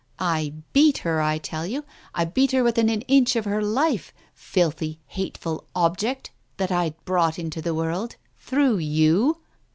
I beat her, I tell you, I beat her within an inch of her life, filthy, hateful object that I'd brought into the world — through you